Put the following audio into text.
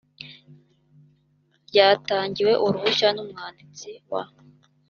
ryatangiwe uruhushya n umwanditsi w